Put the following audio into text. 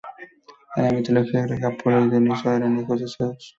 En la mitología griega, Apolo y Dioniso eran hijos de Zeus.